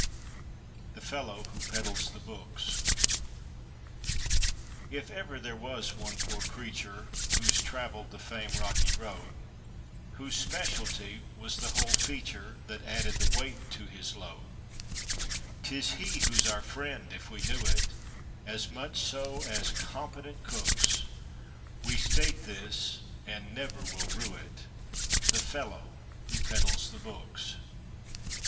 136 THE FELLOW WHO PEDDLES THE BOOKS If ever there was one poor creature Who's traveled the famed rocky road, Who's specialty was the whole feature That added the weight to his load; 'Tis he who's our friend, if we knew it (As much so as competent cooks) We state this, and never will rue it— The fellow who peddles the books.